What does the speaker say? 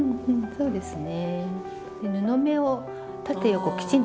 そうですね。